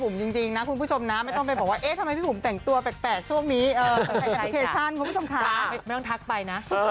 ไม่สนใจอะไรเช่นเลย